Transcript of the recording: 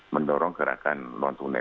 mendorong gerakan non tunai